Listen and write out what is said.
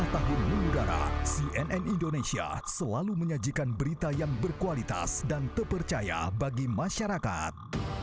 dua puluh tahun mengudara cnn indonesia selalu menyajikan berita yang berkualitas dan terpercaya bagi masyarakat